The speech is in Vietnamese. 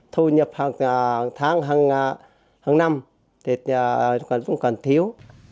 thu nhập hàng tháng hàng năm thì còn vẫn còn thiếu